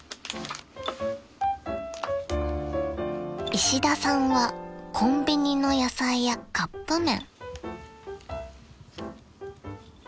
［石田さんはコンビニの野菜やカップ麺］